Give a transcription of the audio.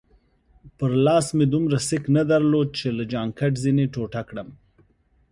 په لاس مې دومره سېک نه درلود چي له جانکټ ځینې ټوټه کړم.